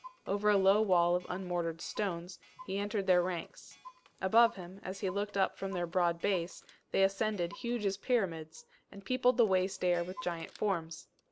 Over a low wall of unmortared stones, he entered their ranks: above him, as he looked up from their broad base, they ascended huge as pyramids, and peopled the waste air with giant forms.